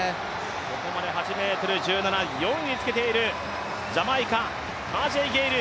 ここまで８ｍ１７、４位につけているジャマイカ、タージェイ・ゲイル。